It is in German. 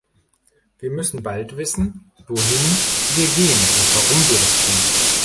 Wir müssen bald wissen, wohin wir gehen und warum wir das tun.